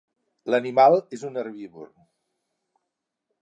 L'animal és un herbívor.